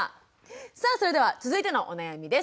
さあそれでは続いてのお悩みです。